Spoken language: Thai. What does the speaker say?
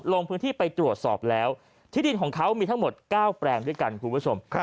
ลงพื้นที่ไปตรวจสอบแล้วที่ดินของเขามีทั้งหมด๙แปลงด้วยกันคุณผู้ชม